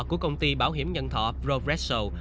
của công ty bảo hiểm nhận thọ progresso